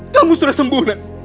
kamu sudah sembuh nak